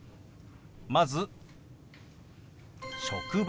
まず「職場」。